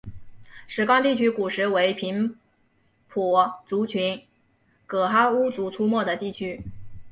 石冈地区古时为平埔族群噶哈巫族出没的地区。